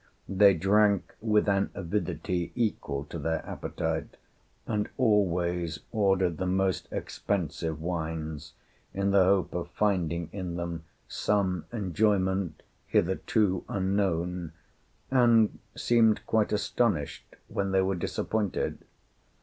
They drank with an avidity equal to their appetite, and always ordered the most expensive wines, in the hope of finding in them some enjoyment hitherto unknown, and seemed quite astonished when they were disappointed.